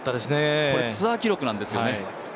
これツアー記録なんですよね。